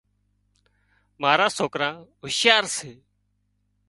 مارا سوڪرا هوشيار سي